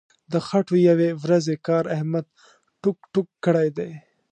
د خټو یوې ورځې کار احمد ټوک ټوک کړی دی.